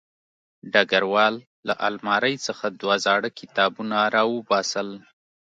ډګروال له المارۍ څخه دوه زاړه کتابونه راوباسل